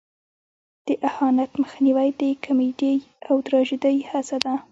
د اهانت مخنیوی د کمیډۍ او تراژیدۍ هسته ده.